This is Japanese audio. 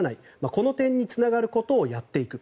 この点につながることをやっていく。